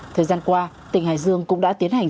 thời gian qua tỉnh hải dương cũng đã tiến hành